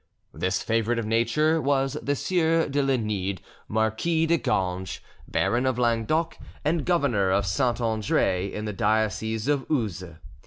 This favourite of nature was the sieur de Lenide, Marquis de Ganges, Baron of Languedoc, and governor of Saint Andre, in the diocese of Uzes.